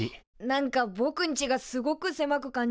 なんかぼくんちがすごくせまく感じる。